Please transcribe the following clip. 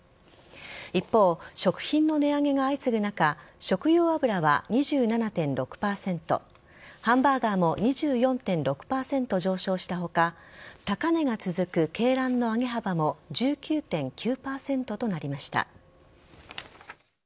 一方、食品の値上げが相次ぐ中食用油は２７．６％ハンバーガーも２４．６％上昇した他高値が続く鶏卵の上げ幅も１９．９％となりました。